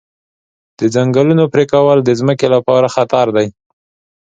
د ځنګلونو پرېکول د ځمکې لپاره خطر دی.